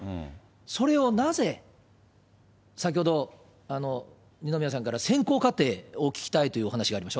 それをなぜ、先ほど二宮さんから選考過程を聞きたいという話がありました。